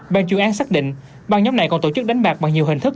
ban chuyên án xác định ban nhóm này còn tổ chức đánh bạc bằng nhiều hình thức